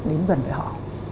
đến dần với họ